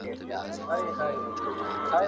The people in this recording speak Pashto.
رابعې ولې شونډه بوڅه کړه؟